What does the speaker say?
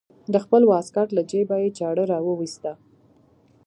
د خپل واسکټ له جيبه يې چاړه راوايسته.